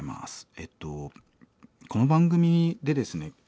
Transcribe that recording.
えっとこの番組でですね